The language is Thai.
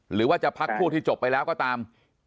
หรือว่าจะพักผู้ที่จบไปแล้วก็ตาม